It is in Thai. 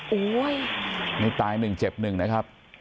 โอ้โหนี่ตายหนึ่งเจ็บหนึ่งนะครับ